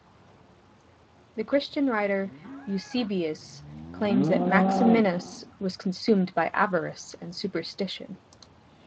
The Christian writer Eusebius claims that Maximinus was consumed by avarice and superstition.